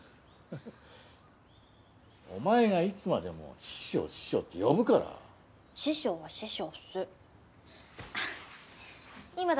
ハハッお前がいつまでも師匠師匠って呼ぶから師匠は師匠っす